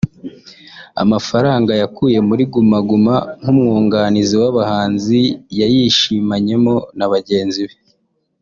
Amafaranga yakuye muri Guma Guma nk’umwunganizi w’abahanzi yayishimanyemo na bagenzi be